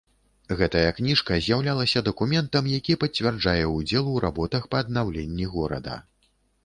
Гэтая кніжка з'яўлялася дакументам, які пацвярджае ўдзел у работах па аднаўленні горада.